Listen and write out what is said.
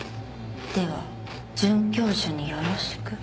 「では准教授によろしく。